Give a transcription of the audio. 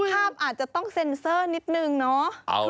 ภาพอาจจะต้องสันเซอร์นิดหนึ่งเนอะอ๋อ